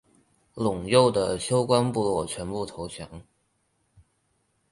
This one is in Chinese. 陇右的休官部落全部投降。